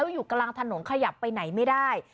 อยู่กลางถนนขยับไปไหนไม่ได้